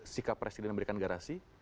sikap presiden memberikan garasi